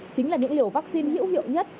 chính là những liều vaccine hữu hiệu nhất